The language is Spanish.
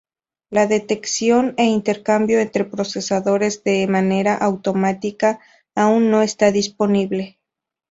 La detección e intercambio entre procesadores de manera automática aún no está disponible.